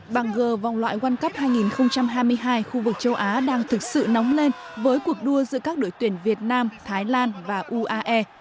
bảng g vòng loại world cup hai nghìn hai mươi hai khu vực châu á đang thực sự nóng lên với cuộc đua giữa các đội tuyển việt nam thái lan và uae